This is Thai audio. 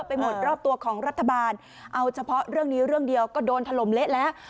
ไปหมดรอบตัวของรัฐบาลเอาเฉพาะเรื่องนี้เรื่องเดียวก็โดนถล่มเละแล้ว